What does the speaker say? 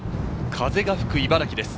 風が吹く茨城です。